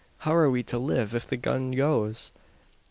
How are we to live, if the gun goes?"